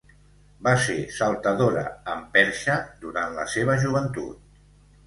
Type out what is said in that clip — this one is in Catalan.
Va ser saltadora amb perxa durant la seva joventut.